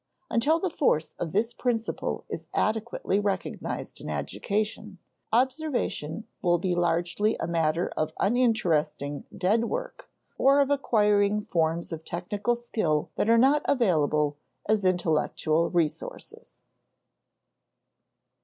Until the force of this principle is adequately recognized in education, observation will be largely a matter of uninteresting dead work or of acquiring forms of technical skill that are not available as intellectual resources.